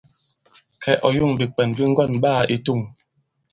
Kɛ̌, ɔ̀ yȏŋ bìkwɛm bi ŋgɔ̑n ɓaā i tȗŋ.